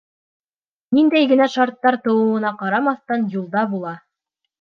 Ниндәй генә шарттар тыуыуына ҡарамаҫтан, юлда була.